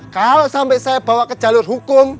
kalau sampai saya bawa ke jalur hukum